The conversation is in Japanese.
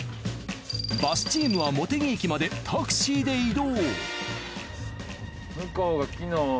バスチームは茂木駅までタクシーで移動。